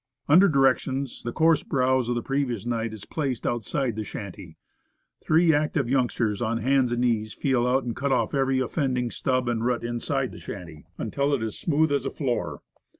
Under directions, the coarse browse of the previous night is placed outside the shanty; three active youngsters, on hands and knees, feel out and cut off 82 Woodcraft, every offending stub and root inside the shanty, until it is smooth as a floor.